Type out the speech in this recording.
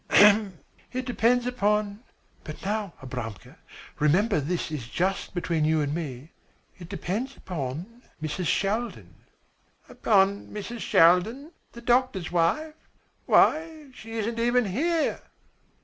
"Ahem, it depends upon but now, Abramka, remember this is just between you and me it depends upon Mrs. Shaldin." "Upon Mrs. Shaldin, the doctor's wife? Why she isn't even here."